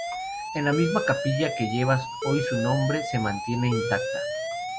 En la misma capilla que lleva hoy su nombre se mantiene intacta.